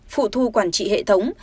phụ thu quản trị hệ thống